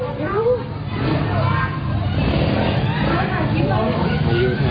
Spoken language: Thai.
โอ้โหลูกใจจุด